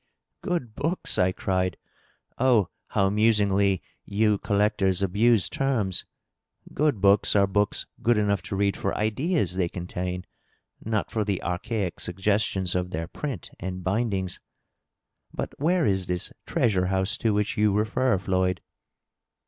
^' "Good books !" I cried. " Oh, how amusingly you collectors abuse terms ! Good books are books good enough to r^ for ideas they con tain, not for the archaic suggestions of their print and bindings. •. But where is this treasure house to which you refer, Floyd